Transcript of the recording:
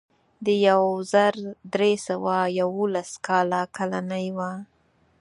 د یو زر درې سوه یوولس کال کالنۍ وه.